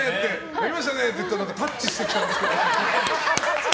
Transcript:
やりましたねって言ったらタッチしてきたんですけど。